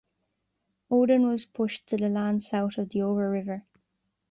Odon was pushed to the lands south of the Obra River.